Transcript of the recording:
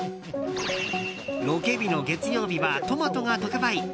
ロケ日の月曜日はトマトが特売。